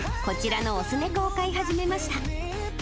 最近、こちらの雄猫を飼い始めました。